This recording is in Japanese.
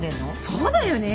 そうだよね。